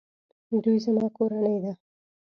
دوی زما کورنۍ ده